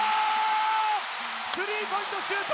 スリーポイントシュート！